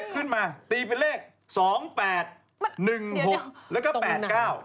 มันขึ้นอย่างงี้ตีไปก็มา๘๙นิ้ว